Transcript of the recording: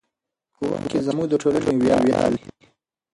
ښوونکي زموږ د ټولنې ویاړ دي.